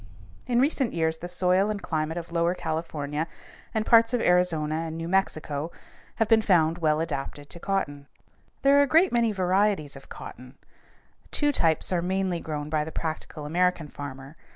In recent years the soil and climate of lower California and parts of Arizona and New Mexico have been found well adapted to cotton. [Illustration: FIG. 184. COTTON IN THE GROWING SEASON] There are a great many varieties of cotton. Two types are mainly grown by the practical American farmer.